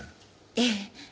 ええ。